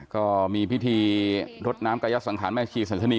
ก็มีพิธีรดน้ำกายสังขารแม่ชีสันธนี